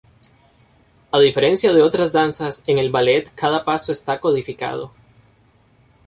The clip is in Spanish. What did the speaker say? A diferencia de otras danzas, en el ballet cada paso está codificado.